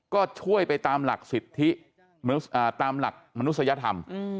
ก็ช่วยไปตามหลักสิทธิตามหลักมนุษยธรรม